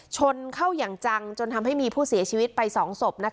ชนเข้าอย่างจังจนทำให้มีผู้เสียชีวิตไป๒ศพ